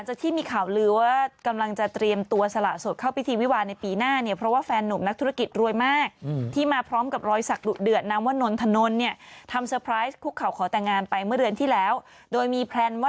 หลังจากที่มีข่าวลือว่า